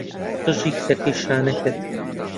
قژی کچەکەی شانە کرد.